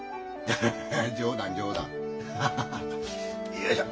よいしょ。